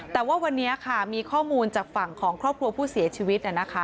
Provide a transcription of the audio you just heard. แต่ว่าวันนี้ค่ะมีข้อมูลจากฝั่งของครอบครัวผู้เสียชีวิต